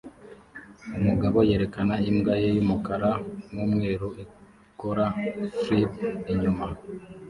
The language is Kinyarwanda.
Umugabo yerekana imbwa ye yumukara numweru ikora flip inyuma